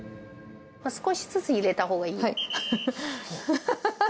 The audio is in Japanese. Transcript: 少しずつ入れたほうがいい。